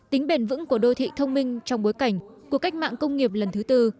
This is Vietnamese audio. tính bền vững của đô thị thông minh trong bối cảnh cuộc cách mạng công nghiệp lần thứ tư